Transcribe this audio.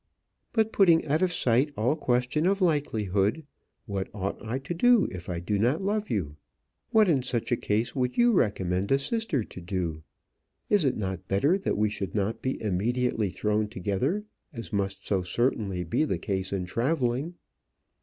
But putting out of sight all question of likelihood, what ought I to do if I do not love you? What in such a case would you recommend a sister to do? Is it not better that we should not be immediately thrown together, as must so certainly be the case in travelling?"